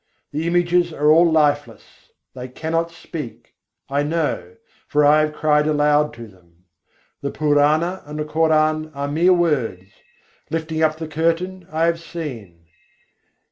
The images are all lifeless, they cannot speak; I know, for I have cried aloud to them. The Purana and the Koran are mere words; lifting up the curtain, I have seen.